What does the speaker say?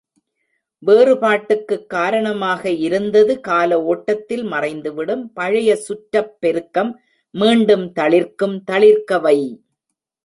வேறுபாட்டுக்குக் காரணமாக இருந்தது கால ஓட்டத்தில் மறைந்துவிடும் பழைய சுற்றப் பெருக்கம் மீண்டும் தளிர்க்கும் தளிர்க்க வை.